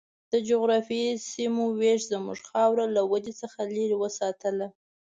د جغرافیایي سیمو وېش زموږ خاوره له ودې څخه لرې وساتله.